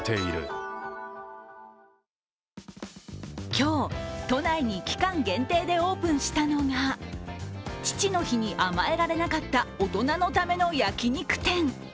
今日、都内に期間限定でオープンしたのが父の日に甘えられなかった大人のための焼肉店。